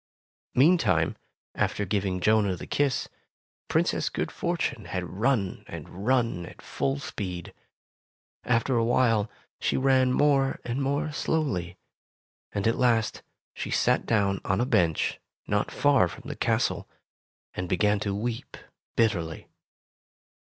Meantime, after giving Jonah the kiss. Princess Good Fortune had run and run at full speed. After a while, she ran more and more slowly, and at last she sat down on a bench not far from the castle, and began to weep bitterly.